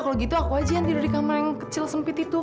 kalau gitu aku aja yang tidur di kamar yang kecil sempit itu